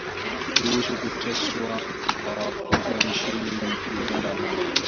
kuhusu kuteswa kwa wafungwa nchini Uganda na